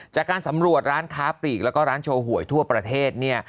จากการสำรวจร้านค้าปลีกแล้วก็ร้านโชว์หวยทั่วประเทศเนี่ย